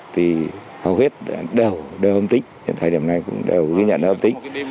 thì hầu hết đều hôm tính hiện thời điểm này cũng đều ghi nhận hôm tính